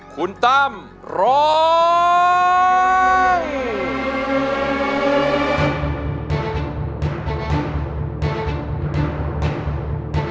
คุณตั้ม๑๐๐๐๐๐บาท